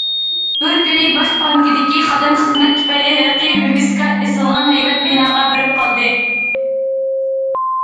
بىر كۈنى باش بانكىدىكى خادىم خىزمەت تۈپەيلى ھېلىقى ۋىۋىسكا ئېسىلغان ھەيۋەت بىناغا بېرىپ قالدى.